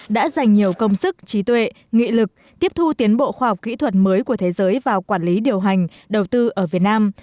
đã dành nhiều công sức trí tuệ nghị lực tiếp thu tiến bộ khoa học kỹ thuật mới của thế giới vào quản lý điều hành đầu tư ở việt nam